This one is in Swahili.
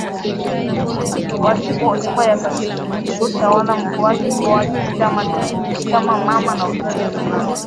Wasifu hotuba ya katibu tawala mkoa kikao cha chama mama na uzazi salama